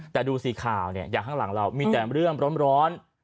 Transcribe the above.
แต่ดูสิข่าวเนี่ยอย่างข้างหลังเรามีแต่เรื่องร้อน